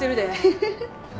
フフフ。